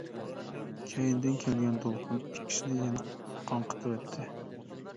كەينىدىن كەلگەن دولقۇن ئىككىسىنى يەنە قاڭقىتىۋەتتى.